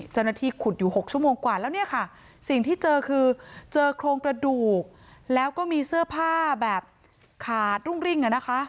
เจ้าหน้าที่ขุดอยู่๖ชั่วโมงกว่าแล้วเนี่ยค่ะสิ่งที่เจอคือเจอโครงกระดูกแล้วก็มีเสื้อผ้าแบบขาดรุ่งริ่ง